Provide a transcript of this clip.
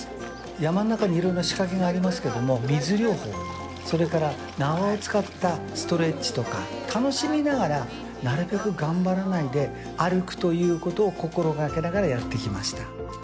山ん中に色んな仕掛けがありますけども水療法それから縄を使ったストレッチとか楽しみながらなるべく頑張らないで歩くということを心掛けながらやってきました